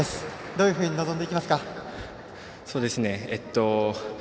どういうふうに臨んでいきますか。